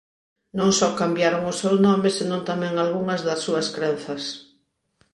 Non só cambiaron o seu nome senón tamén algunhas das súas crenzas.